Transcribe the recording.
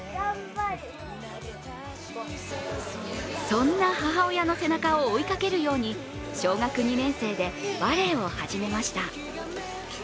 そんな母親の背中を追いかけるように小学２年生でバレーを始めました。